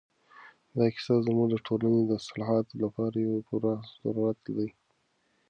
دا کیسه زموږ د ټولنې د اصلاح لپاره یو پوره ضرورت دی.